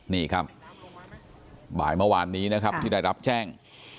นี่ครับบ่ายเมื่อวานนี้นะครับที่ได้รับแจ้ง